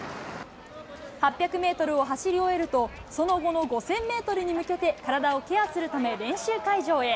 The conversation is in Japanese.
８００メートルを走り終えると、その後の５０００メートルに向けて、体をケアするため練習会場へ。